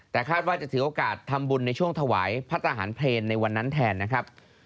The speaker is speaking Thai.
แต่คาดว่าจะถือโอกาสทำบุญในช่วงถวายพระทหารเพลนในวันนั้นแทนนะครับ